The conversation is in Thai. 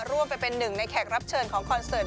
ร่วมไปเป็นหนึ่งในแขกรับเชิญของคอนเสิร์ต